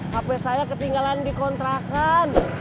hp saya ketinggalan di kontrakan